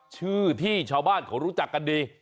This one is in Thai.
ชื่อที่ชาวบ้านเขารู้จักกันดี